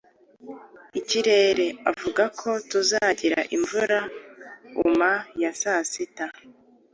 Ikirere avuga ko tuzagira imvura uma ya saa sita.